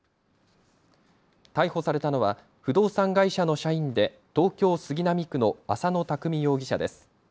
逮捕されたのは不動産会社の社員で東京杉並区の浅野拓未容疑者です。